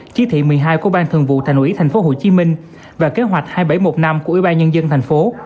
chí thị một mươi hai của bang thường vụ thành ủy tp hcm và kế hoạch hai nghìn bảy trăm một mươi năm của ủy ban nhân dân tp